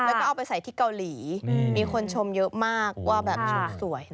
แล้วก็เอาไปใส่ที่เกาหลีมีคนชมเยอะมากว่าแบบชมสวย